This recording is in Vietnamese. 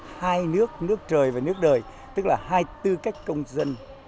hai nước nước trời và nước đời tức là hai tư cách công dân